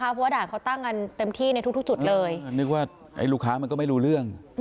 เพราะว่าด่านเขาตั้งกันเต็มที่ในทุกทุกจุดเลยนึกว่าไอ้ลูกค้ามันก็ไม่รู้เรื่อง